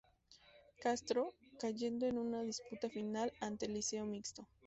Castro, cayendo en una disputada Final, ante Liceo Mixto.